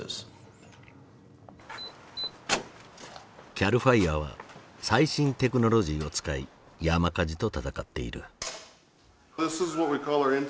ＣＡＬＦＩＲＥは最新テクノロジーを使い山火事と闘っている。